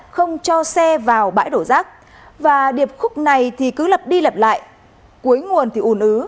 không cho xe vào bãi đổ rác và điệp khúc này thì cứ lật đi lặp lại cuối nguồn thì ủn ứ